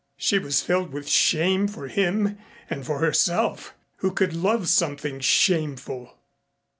She was filled with shame for him and for herself, who could love something shameful.